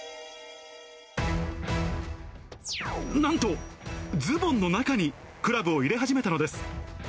なんと、ズボンの中にクラブを入れ始めたのです。